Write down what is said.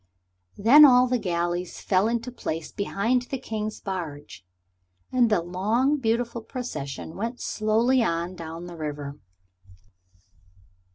Then all the galleys fell into place behind the King's barge, and the long, beautiful procession went slowly on down the river.